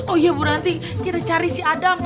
oh iya bu nanti kita cari si adam